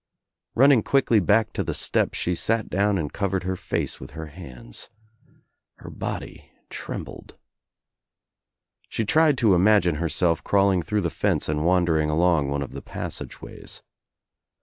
Running quickly back to the step she sat down and covered her face with her hands. Her body trembled. She tried to imagine her self cjawling through the fence and wandering along one of the passageways.